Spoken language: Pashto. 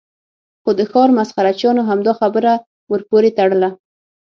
خو د ښار مسخره چیانو همدا خبره ور پورې تړله.